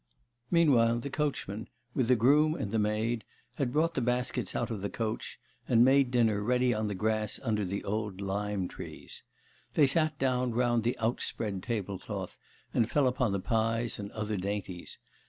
Meanwhile the coachman, with the groom and the maid, had brought the baskets out of the coach, and made dinner ready on the grass under the old lime trees. They sat down round the outspread tablecloth, and fell upon the pies and other dainties.